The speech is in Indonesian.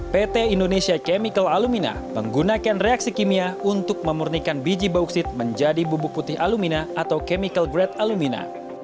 pt indonesia chemical alumina menggunakan reaksi kimia untuk memurnikan biji bauksit menjadi bubuk putih alumina atau chemical grade alumina